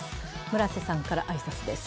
村瀬さんから挨拶です。